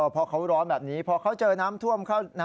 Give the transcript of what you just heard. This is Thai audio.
พอเขาร้อนแบบนี้พอเขาเจอน้ำท่วมเข้า